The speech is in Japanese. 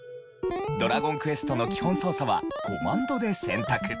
『ドラゴンクエスト』の基本操作はコマンドで選択。